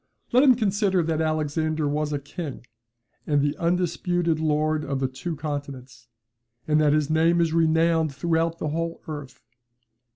Let him consider that Alexander was a king, and the undisputed lord of the two continents; and that his name is renowned throughout the whole earth.